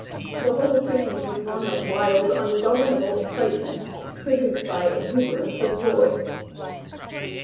The whole scene was one of wild, ungovernable excitement, produced by exuberance of joy.